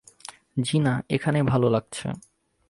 জ্বি-না, এখানেই ভালো লাগছে।